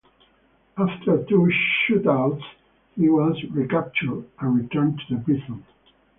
After two shootouts he was recaptured and returned to the prison.